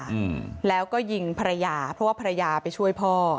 อืมแล้วก็ยิงภรรยาเพราะว่าภรรยาไปช่วยพ่อ